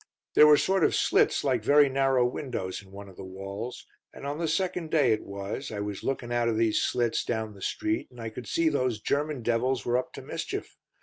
"There were sort of slits like very narrow windows in one of the walls, and on the second day it was, I was looking out of these slits down the street, and I could see those German devils were up to mischief.